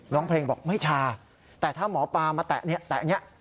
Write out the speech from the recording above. ร้องเพลงบอกไม่ชาแต่ถ้าหมอปลามาแตะเนี่ยแตะอย่างนี้